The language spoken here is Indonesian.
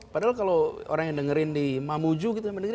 padahal kalau orang yang dengerin di mamuju gitu